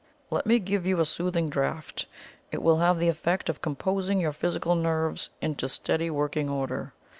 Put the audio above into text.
Let me give you a soothing draught; it will have the effect of composing your physical nerves into steady working order."